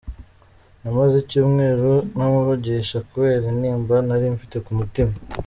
Namaze icyumweru ntamuvugisha, kubera intimba nari mfite ku mutima.